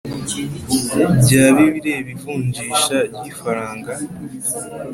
Byaba ibireba ivunjisha ry’ ifaranga